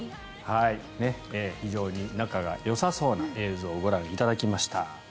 非常に仲がよさそうな映像をご覧いただきました。